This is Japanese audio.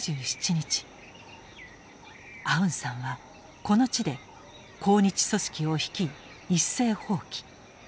アウンサンはこの地で抗日組織を率い一斉蜂起。